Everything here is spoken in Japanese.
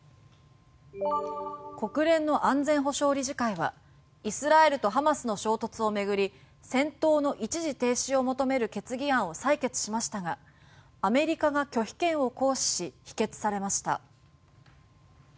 国連の安全保障理事会はイスラエルとハマスの衝突を巡り戦闘の一時停止を求める決議案を採決しましたがアメリカが拒否権を行使し否決されました。